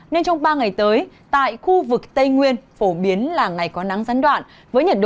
nên trong ba ngày tới tại khu vực tây nguyên phổ biến là ngày có nắng gián đoạn